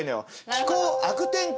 気候悪天候